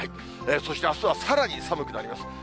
そしてあすはさらに寒くなります。